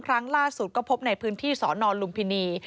ครั้งล่าสุดก็พบในพื้นที่สอนอนลุมพินี